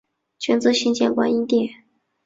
捐资新建观音殿。